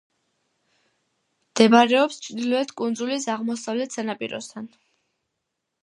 მდებარეობს ჩრდილოეთ კუნძულის აღმოსავლეთ სანაპიროსთან.